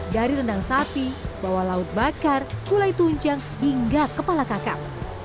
dari rendang sapi bawah laut bakar gulai tunjang hingga kepala kakap